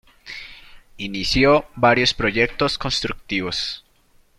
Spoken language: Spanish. Inició varios proyectos constructivos.